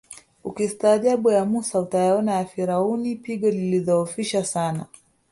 Ukistaajabu ya Mussa utayaona ya Firauni pigo lilidhoofisha sana